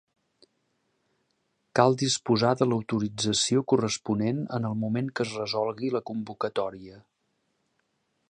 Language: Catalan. Cal disposar de l'autorització corresponent en el moment que es resolgui la convocatòria.